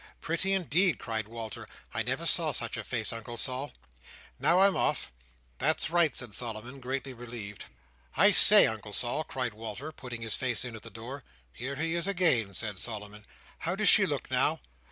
"Pretty, indeed!" cried Walter. "I never saw such a face, Uncle Sol. Now I'm off." "That's right," said Solomon, greatly relieved. "I say, Uncle Sol," cried Walter, putting his face in at the door. "Here he is again," said Solomon. "How does she look now?"